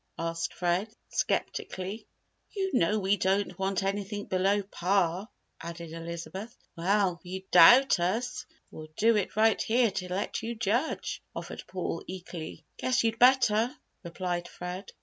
asked Fred, sceptically. "You know we don't want anything below par," added Elizabeth. "Well, if you doubt us, we'll do it right here to let you judge!" offered Paul, eagerly. "Guess you'd better," replied Fred.